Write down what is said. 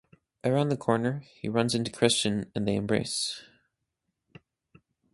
Around the corner, he runs into Christian and they embrace.